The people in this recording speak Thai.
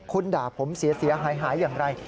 คุณด่าผมเสียหายอย่างไร